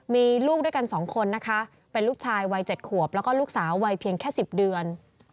มีลูกด้วยกัน๒คนนะคะเป็นลูกชายวัย๗ขวบแล้วก็ลูกสาววัยเพียงแค่๑๐เดือน